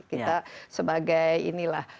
kita sebagai inilah